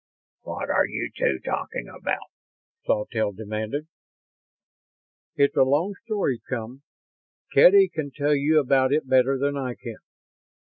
"What are you two talking about?" Sawtelle demanded. "It's a long story, chum. Kedy can tell you about it better than I can.